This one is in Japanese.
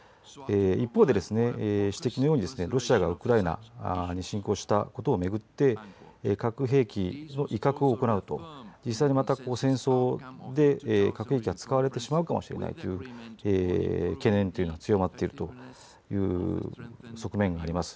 一方でですね、指摘のようにロシアがウクライナに侵攻したことを巡って核兵器の威嚇を行うと実際に、また戦争で核兵器が使われてしまうかもしれないという懸念が強まっているという側面があります。